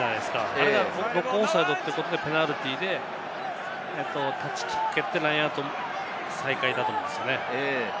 あれがノックオンオフサイドということでペナルティーでタッチキックに蹴ってラインアウト、再開だと思うんですよね。